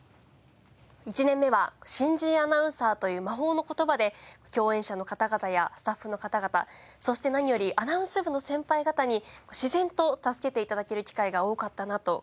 １年目は新人アナウンサーという魔法の言葉で共演者の方々やスタッフの方々そして何よりアナウンス部の先輩方に自然と助けて頂ける機会が多かったなと感じています。